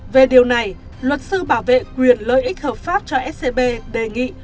về điều này luật sư bảo vệ quyền lợi ích hợp pháp cho scb đề nghị